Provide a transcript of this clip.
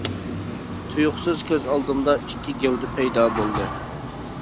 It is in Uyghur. تۇيۇقسىز كۆز ئالدىمدا ئىككى گەۋدە پەيدا بولدى.